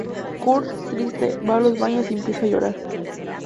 Kurt, triste, va a los baños y empieza a llorar.